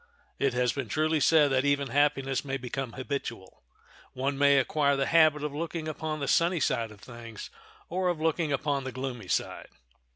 It has been truly said that even happiness may become habitual. One may acquire the habit of looking upon the sunny side of things, or of looking upon the gloomy side.